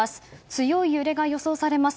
強い揺れが予想されます。